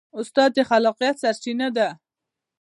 استاد د خلاقیت سرچینه ده.